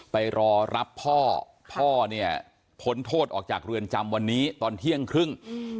ไปรอรับพ่อพ่อเนี่ยพ้นโทษออกจากเรือนจำวันนี้ตอนเที่ยงครึ่ง